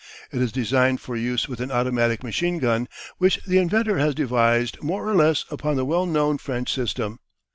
It is designed for use with an automatic machinegun, which the inventor has devised more or less upon the well known French system.